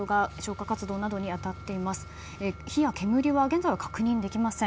火や煙は現在は確認できません。